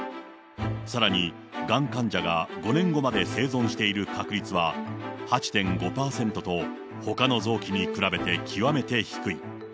さらにがん患者が５年後まで生存している確率は８．５％と、ほかの臓器に比べて極めて低い。